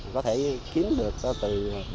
có thể kiếm được từ bảy trăm linh